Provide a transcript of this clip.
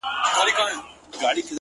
خالقه خدايه ستا د نُور د نقدس نښه ده-